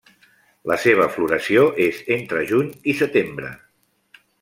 La seva floració és entre juny i setembre.